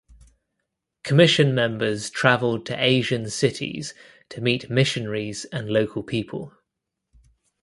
Commission members traveled to Asian cities to meet missionaries and local people.